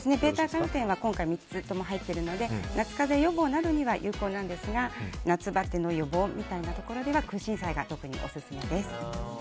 β‐カロテンは今回、３つとも入っているので夏風邪予防などには有効なんですが夏バテの予防みたいなところでは空心菜が特にオススメです。